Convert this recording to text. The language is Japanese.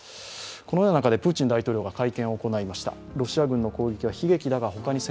このような中でプーチン大統領が会見を行いました。